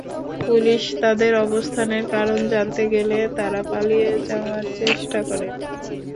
Police তাঁদের অবস্থানের কারণ জানতে গেলে তাঁরা পালিয়ে যাওয়ার চেষ্টা করেন।